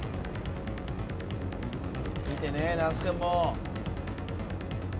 見てね那須君も。